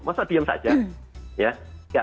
maksudnya diam saja